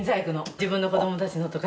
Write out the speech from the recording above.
自分の子どもたちのとか。